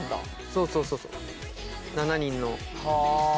そうそうそうそう７人の。